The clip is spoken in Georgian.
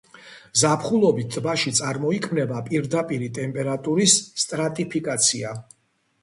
ზაფხულობით ტბაში წარმოიქმნება პირდაპირი ტემპერატურის სტრატიფიკაცია.